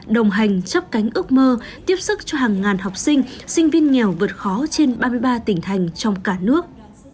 đồng hành chấp cánh ước mơ tiếp sức cho hàng ngàn học sinh sinh viên nghèo vượt khó trên ba mươi ba tỉnh thành trong cả nước